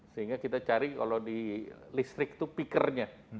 sehingga kita cari kalau di listrik itu peakernya